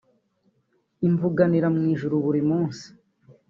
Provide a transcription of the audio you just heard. amvuganira mu ijuru buri munsi